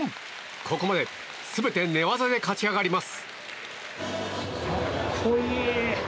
ここまで全て寝技で勝ち上がります。